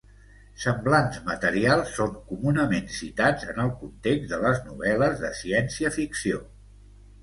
Semblants materials són comunament citats en el context de les novel·les de ciència-ficció.